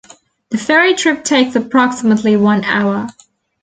The ferry trip takes approximately one hour.